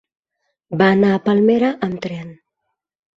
Va anar a Palmera amb tren.